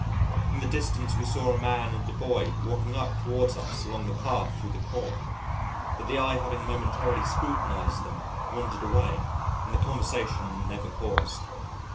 In the distance we saw a man and a boy walking up towards us along the path thro' the corn, but the eye having momentarily scrutinised them wandered away and the conversation never paused.